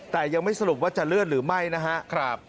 แต่ยังไม่สรุปว่าจะเลื่อนหรือไม่นะครับ